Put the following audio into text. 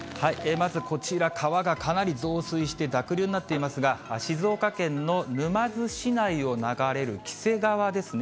まずこちら、川がかなり増水して、濁流になっていますが、静岡県の沼津市内を流れる黄瀬川ですね。